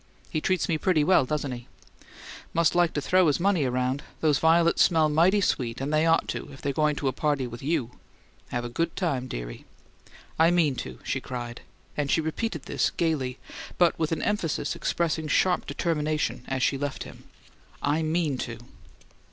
"He treats me pretty well, doesn't he?" "Must like to throw his money around! These violets smell mighty sweet, and they ought to, if they're going to a party with YOU. Have a good time, dearie." "I mean to!" she cried; and she repeated this gaily, but with an emphasis expressing sharp determination as she left him. "I MEAN to!"